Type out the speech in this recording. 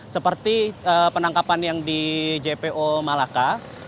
seperti penangkapan yang di jpo malaka